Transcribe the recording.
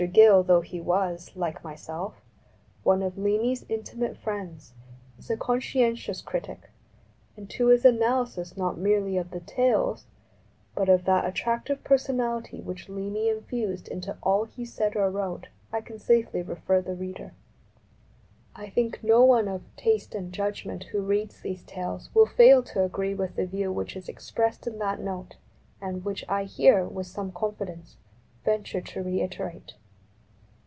Gill, though he was, like myself, one of Leamy's intimate friends, is a con scientious critic, and to his analysis not merely of the " Tales," but of that attractive personality ix x PKEFACE which Leamy infused into all he said or wrote I can safely refer the reader. I think no one of taste and judgment who reads these Tales will fail to agree with the view which is expressed in that Note and which I here, with some confidence, venture to reiterate.